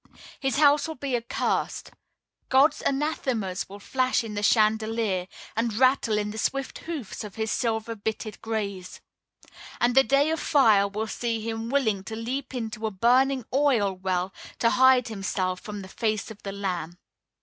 His house will be accursed. God's anathemas will flash in the chandelier, and rattle in the swift hoofs of his silver bitted grays; and the day of fire will see him willing to leap into a burning oil well to hide himself from the face of the Lamb.